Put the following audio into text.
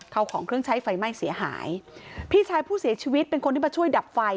ของเครื่องใช้ไฟไหม้เสียหายพี่ชายผู้เสียชีวิตเป็นคนที่มาช่วยดับไฟ